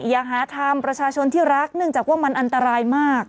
อย่าหาทำประชาชนที่รักเนื่องจากว่ามันอันตรายมาก